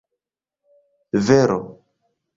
vero